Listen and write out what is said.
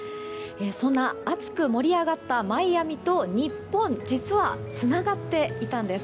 そんな熱く盛り上がったマイアミと日本実はつながっていたんです。